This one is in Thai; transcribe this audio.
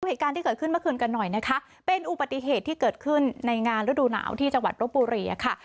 เหตุการณ์ที่เกิดขึ้นเมื่อคืนกันหน่อยนะคะเป็นอุบัติเหตุที่เกิดขึ้นในงานฤดูหนาวที่จังหวัดรบบุรีอะค่ะ